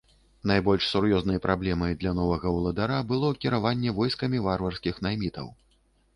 Найбольш сур'ёзнай праблемай для новага ўладара было кіраванне войскамі варварскіх наймітаў.